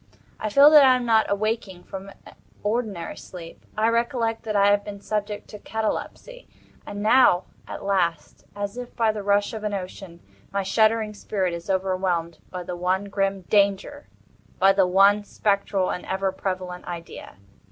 I feel that I am not awaking from ordinary sleep. I recollect that I have been subject to catalepsy. And now, at last, as if by the rush of an ocean, my shuddering spirit is overwhelmed by the one grim Danger—by the one spectral and ever prevalent idea.